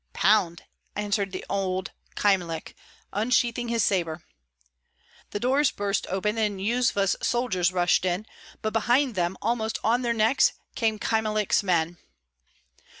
"Pound!" answered old Kyemlich, unsheathing his sabre. The doors burst open, and Yuzva's soldiers rushed in; but behind them, almost on their necks, came Kyemlich's men.